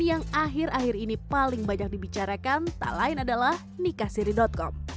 yang akhir akhir ini paling banyak dibicarakan tak lain adalah nikasiri com